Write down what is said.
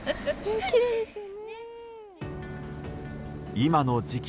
今の時期